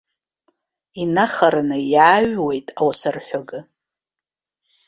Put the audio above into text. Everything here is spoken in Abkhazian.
Инахараны иааҩуеит ауасарҳәыга.